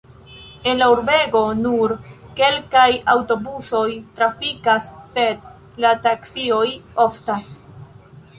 En la urbego nur kelkaj aŭtobusoj trafikas, sed la taksioj oftas.